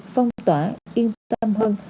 phong tỏa yên tâm hơn